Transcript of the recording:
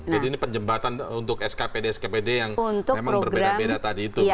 jadi ini penjembatan untuk skpd skpd yang memang berbeda beda tadi itu